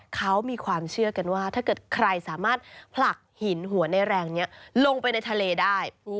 เขามีความเชื่อกันว่าถ้าเกิดใครสามารถผลักหินหัวในแรงนี้ลงไปในทะเลได้